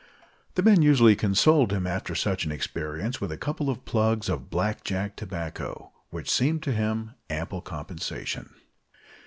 The men usually consoled him after such an experience with a couple of plugs of "black jack" tobacco, which seemed to him ample compensation.